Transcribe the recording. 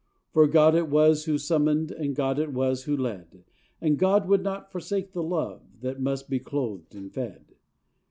For God it was who summoned, And God it was who led, And God would not forsake the love That must be clothed and fed.